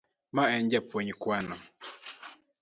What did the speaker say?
Ma en japuonj Kwano.